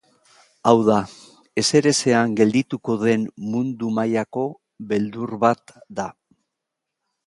Hau da, ezerezean geldituko den mundu mailako beldur bat da.